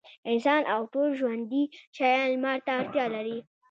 انسانان او ټول ژوندي شيان لمر ته اړتيا لري.